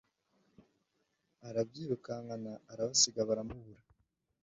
arabyirukankana, arabasiga baramubura